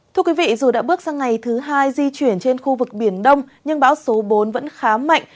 thưa quý vị dù đã bước sang ngày thứ hai di chuyển trên khu vực biển đông nhưng bão số bốn vẫn khá mạnh